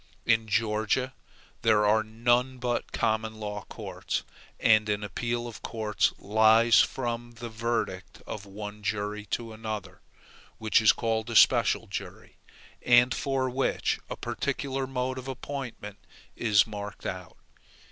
In Georgia there are none but common law courts, and an appeal of course lies from the verdict of one jury to another, which is called a special jury, and for which a particular mode of appointment is marked out.